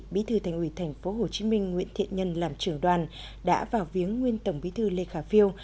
bí thư thành ủy tp hcm nguyễn thiện nhân làm trưởng đoàn đã vào viếng nguyên tổng bí thư lê khả phiêu